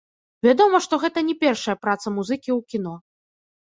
Вядома, што гэта не першая праца музыкі ў кіно.